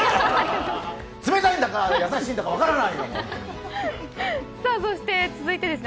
冷たいんだか優しいんだか分からないね！